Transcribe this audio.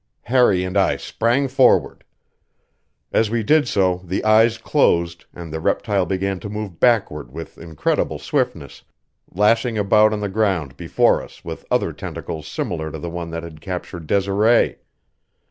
Harry and I sprang forward. As we did so the eyes closed and the reptile began to move backward with incredible swiftness, lashing about on the ground before us with other tentacles similar to the one that had captured Desiree.